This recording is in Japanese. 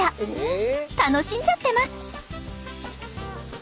楽しんじゃってます！